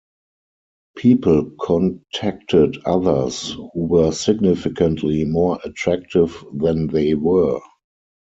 People contacted others who were significantly more attractive than they were.